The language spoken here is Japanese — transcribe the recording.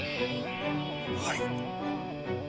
はい。